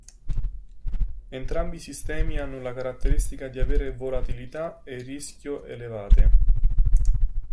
Entrambi i sistemi hanno la caratteristica di avere volatilità e rischio elevate.